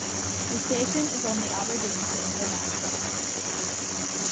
The station is on the Aberdeen to Inverness Line.